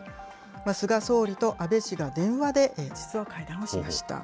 菅総理と安倍氏が電話で実は会談をしました。